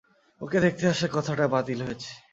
ওকে দেখতে আসার কথাটা বাতিল হয়েছে।